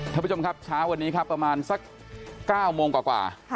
ท่านผู้ชมครับเช้าวันนี้ครับประมาณสัก๙โมงกว่า